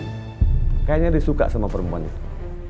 kayaknya disuka sama perempuan itu